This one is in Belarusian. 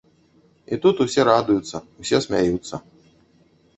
І тут усе радуюцца, усе смяюцца.